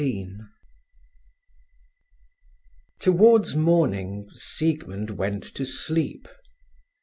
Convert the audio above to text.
XVII Towards morning, Siegmund went to sleep.